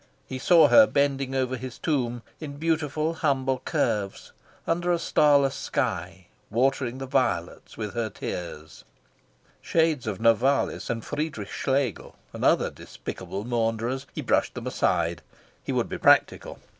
He saw her bending over his tomb, in beautiful humble curves, under a starless sky, watering the violets with her tears. Shades of Novalis and Friedrich Schlegel and other despicable maunderers! He brushed them aside. He would be practical.